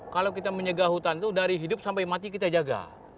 kalau kita menjaga hutan itu dari hidup sampai mati kita jaga